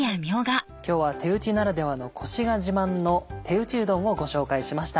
今日は手打ちならではのコシが自慢の「手打ちうどん」をご紹介しました。